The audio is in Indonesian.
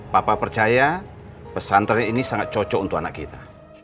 papa percaya pesantren ini sangat cocok untuk anak kita